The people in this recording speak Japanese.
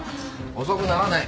遅くならない。